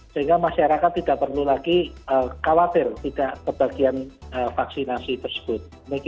sehingga masyarakat tidak perlu lagi khawatir tidak kebagian vaksinasi tersebut